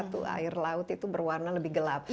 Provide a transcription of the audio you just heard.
sementara tuh air laut itu berwarna lebih gelap